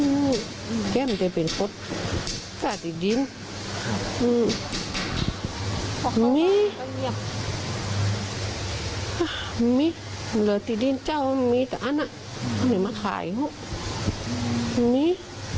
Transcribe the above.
อืมมีมีเหลือที่ดินเจ้ามีแต่อันนั้นไม่มาขายหรอกมี